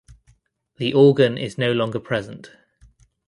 The organ is no longer present